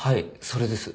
それです。